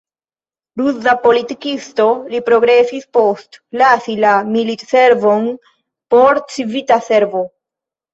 Ruza politikisto, li progresis post lasi la militservon por civila servo.